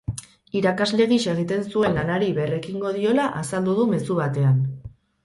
Irakasle gisa egiten zuen lanari berrekingo diola azaldu du mezu batean.